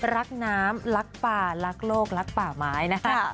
รักน้ำรักป่ารักโลกรักป่าไม้นะคะ